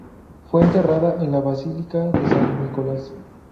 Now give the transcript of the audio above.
Fue enterrada en la basílica de San Nicolás.